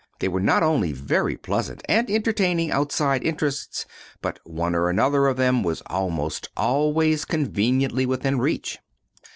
They were not only very pleasant and entertaining outside interests, but one or another of them was almost always conveniently within reach.